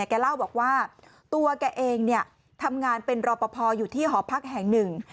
แกเล่าบอกว่าตัวแกเองทำงานเป็นรอปภอยู่ที่หอพักแห่งหนึ่ง